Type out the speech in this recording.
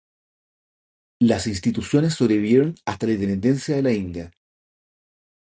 Las instituciones sobrevivieron hasta la independencia de la India.